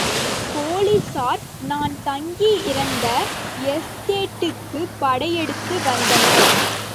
போலீசார் நான் தங்கி இருந்த எஸ்டேட்டுக்குப் படையெடுத்து வந்தனர்.